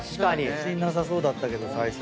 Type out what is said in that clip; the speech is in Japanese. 自信なさそうだったけど最初は。